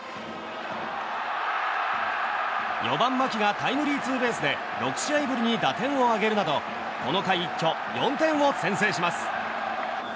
４番、牧がタイムリーツーベースで６試合ぶりに打点を挙げるなどこの回、一挙４点を先制します。